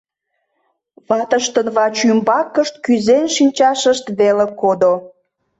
Ватыштын вачӱмбакышт кӱзен шинчашышт веле кодо...